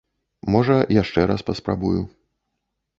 Можа яшчэ раз паспрабую.